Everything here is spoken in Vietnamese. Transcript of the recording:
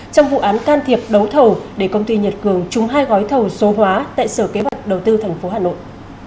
trong vụ án can thiệp đấu thầu để công ty nhật cường trúng hai gói thầu số hóa tại sở kế hoạch đầu tư tp hà nội